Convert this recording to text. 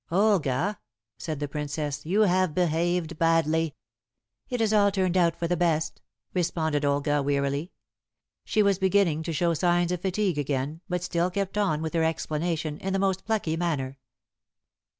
"Olga," said the Princess, "you have behaved badly." "It has all turned out for the best," responded Olga wearily. She was beginning to show signs of fatigue again, but still kept on with her explanation in the most plucky manner.